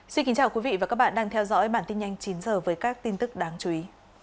xin kính chào quý vị và các bạn đang theo dõi bản tin nhanh chín h với các tin tức đáng chú ý